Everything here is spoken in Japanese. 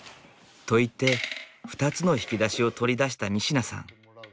と言って２つの引き出しを取り出した三品さん。